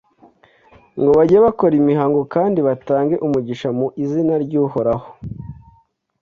ngo bajye bakora imihango kandi batange umugisha mu izina ry’uhoraho,